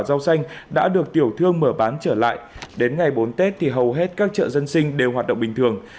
rau xanh đã được tiểu thương mở bán trở lại đến ngày bốn tết thì hầu hết các chợ dân sinh đều hoạt động bình thường